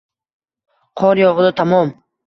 Qor yog’di... Tamom!